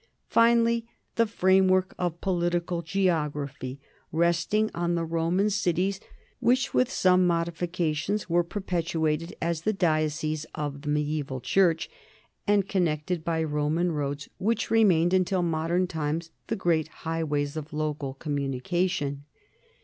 Finally, the framework of politi cal geography, resting on the Roman cities which with some modifications were perpetuated as the dioceses of the mediaeval church, and connected by Roman roads which remained until modern times the great highways of local communication.